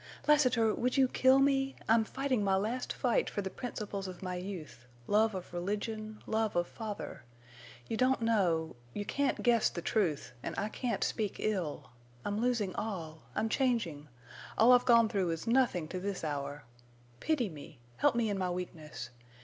"Lassiter, would you kill me? I'm fighting my last fight for the principles of my youth—love of religion, love of father. You don't know—you can't guess the truth, and I can't speak ill. I'm losing all. I'm changing. All I've gone through is nothing to this hour. Pity me—help me in my weakness.